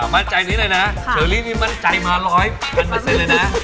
มั่นใจนิดหน่อยนะเชอรี่มีมั่นใจมาร้อยพันเป็นเซ็นต์เลยนะ